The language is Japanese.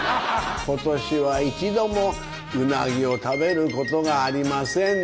今年は一度もうなぎを食べることがありませんでしたね。